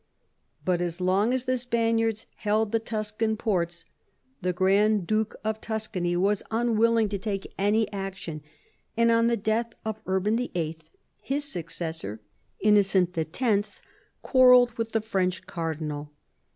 But as long as the Spaniards held the Tuscan ports the Grand Duke of Tuscany was unwilling to take any action ; and on the death of Urban VIII. his successor. Innocent X., quarrelled with the French cardinal.